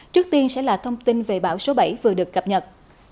trước tiên sẽ là thông tin về bão số bảy vừa được cập nhật